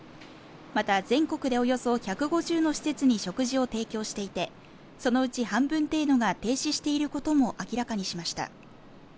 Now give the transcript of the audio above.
また全国でおよそ１５０の施設に食事を提供していてそのうち半分程度が停止していることも明らかにしました